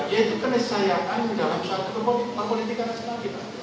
yaitu kenisayaan dalam syarikat pemerintah politik dan sebagainya